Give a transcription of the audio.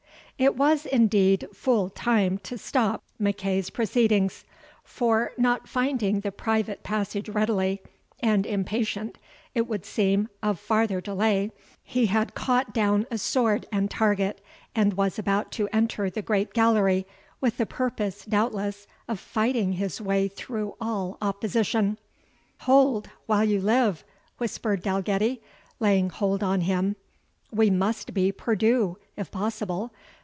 It was indeed full time to stop MacEagh's proceedings; for, not finding the private passage readily, and impatient, it would seem, of farther delay, he had caught down a sword and target, and was about to enter the great gallery, with the purpose, doubtless, of fighting his way through all opposition. "Hold, while you live," whispered Dalgetty, laying hold on him. "We must be perdue, if possible.